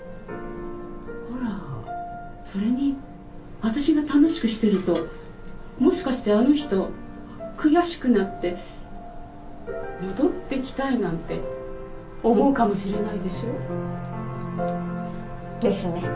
ほらそれに私が楽しくしてるともしかしてあの人悔しくなって戻ってきたいなんて思うかもしれないでしょ？ですね。